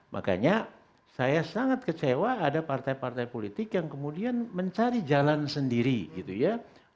makanya saya sangat kecewa ada partai partai politik yang kemudian mencari jalan sendiri gitu ya